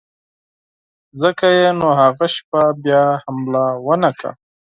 ځکه یې نو هغه شپه بیا حمله ونه کړه.